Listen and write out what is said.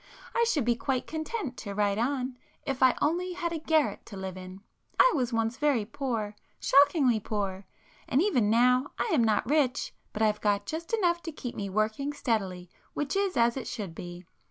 I should be quite content to write on, if I only had a garret to live in. I was once very poor,—shockingly poor; and even now I am not rich, but I've got just enough to keep me working steadily, which is as it should be.